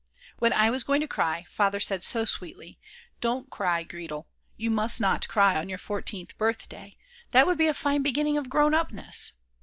When I was going to cry, Father said so sweetly: "Don't cry, Gretel, you must not cry on your 14th!! birthday, that would be a fine beginning of _grown upness!